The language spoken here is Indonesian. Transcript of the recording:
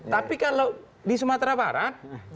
tapi kalau di sumatera barat